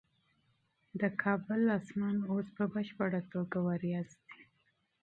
د کابل اسمان اوس په بشپړه توګه وریځ دی.